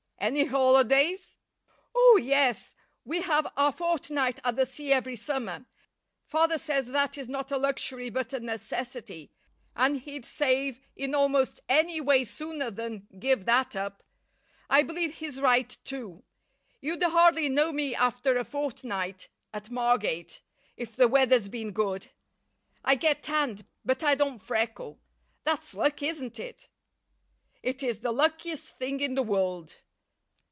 "Any holidays?" "Oh! yes. We have our fortnight at the sea every summer. Father says that is not a luxury but a necessity, and he'd save in almost any way sooner than give that up. I believe he's right, too; you'd hardly know me after a fortnight at Margate, if the weather's been good. I get tanned, but I don't freckle. That's luck, isn't it?" "It is the luckiest thing in the world.